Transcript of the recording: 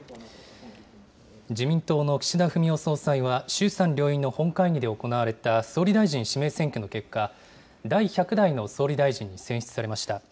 自民党の岸田文雄総裁は、衆参両院の本会議で行われた総理大臣指名選挙の結果、第１００代の総理大臣に選出されました。